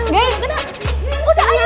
guys kok tak ada